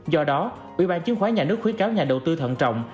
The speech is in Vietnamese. do đó ủy ban chứng khoán nhà nước khuyến cáo nhà đầu tư thận trọng